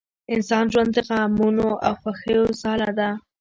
انسان ژوند د غمونو او خوښیو ځاله ده